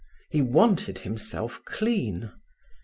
He wanted himself clean.